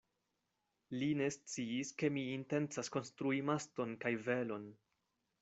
Li ne sciis, ke mi intencas konstrui maston kaj velon.